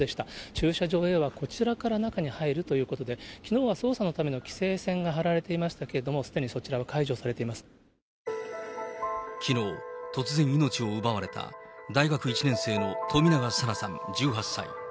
駐車場へはこちらから中に入るということで、きのうは捜査のための規制線が張られていましたけれども、すでにきのう、突然命を奪われた大学１年生の冨永紗菜さん１８歳。